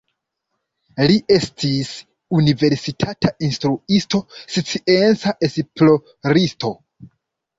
Li estis universitata instruisto, scienca esploristo.